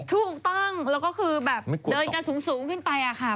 ถูกต้องแล้วก็คือแบบเดินกันสูงขึ้นไปอะค่ะ